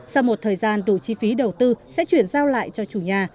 sau một thời gian đủ chi phí đầu tư sẽ chuyển giao lại cho chủ nhà